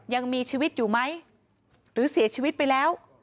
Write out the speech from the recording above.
ยังมีชีวิตอยู่ไหมหรือเสียชีวิตไปแล้ว